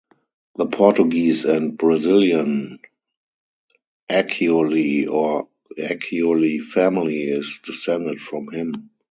The Portuguese and Brazilian Accioly or Accioli family is descended from him.